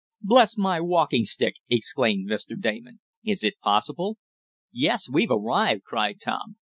"Bless my walking stick!" exclaimed Mr. Damon. "Is it possible?" "Yes, we've arrived!" cried Tom.